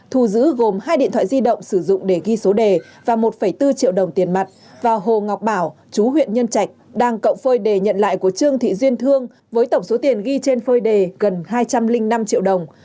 thu giữ gồm hai điện thoại di động sử dụng để ghi số đề và một bốn triệu đồng tiền mặt và hồ ngọc bảo chú huyện nhân trạch đang cộng phơi đề nhận lại của trương thị duyên thương với tổng số tiền ghi trên phơi đề gần hai trăm linh năm triệu đồng